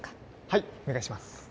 はいお願いします